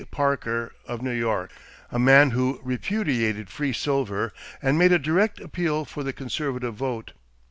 Parker, of New York, a man who repudiated free silver and made a direct appeal for the conservative vote.